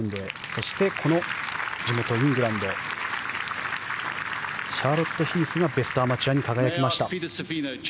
そして、この地元イングランドシャーロット・ヒースがベストアマチュアに輝きました。